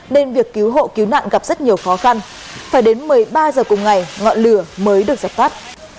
nên việc cứu hộ cứu nạn gặp rất nhiều khó khăn phải đến một mươi ba h cùng ngày ngọn lửa mới được dập tắt